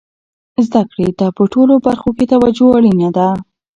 زده کړې ته په ټولو برخو کې توجه اړینه ده.